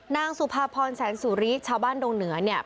นางสุภาพรแสนสุริชาวบ้านดงเหนือเนี่ย